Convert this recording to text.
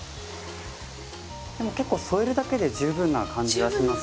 でも結構添えるだけで十分な感じがします。